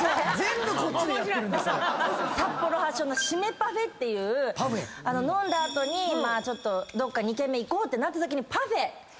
札幌発祥の締めパフェっていう飲んだ後にちょっと２軒目行こうってなったときにパフェで締める。